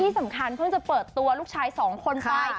สำคัญเพิ่งจะเปิดตัวลูกชายสองคนไป